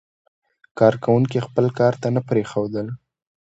کارکوونکي خپل کار ته نه پرېښودل.